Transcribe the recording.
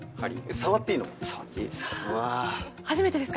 触っていいです